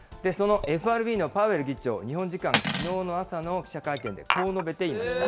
そのＦＲＢのパウエル議長、日本時間きのうの朝の記者会見でこう述べていました。